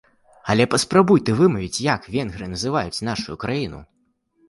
Але паспрабуй ты вымавіць, як венгры называюць нашую краіну!